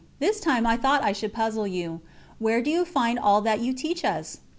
This time I thought I should puzzle you. Where do you find all that you teach us?"